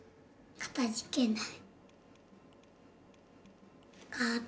「かたじけない」